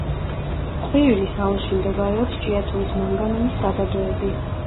ყვირილის აუზში მდებარეობს ჭიათურის მანგანუმის საბადოები.